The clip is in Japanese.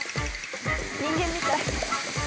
人間みたい。